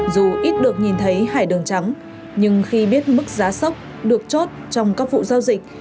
dù ít được nhìn thấy hải đường trắng nhưng khi biết mức giá sốc được chốt trong các vụ giao dịch